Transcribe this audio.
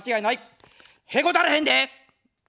へこたれへんで。